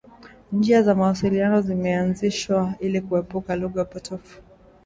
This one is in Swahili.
Njia za mawasiliano zimeanzishwa ili kuepuka lugha potofu.